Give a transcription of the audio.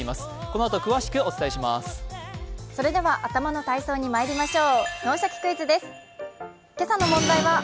では頭の体操にまいりましょう。